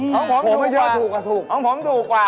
ของผมถูกกว่าของผมถูกกว่า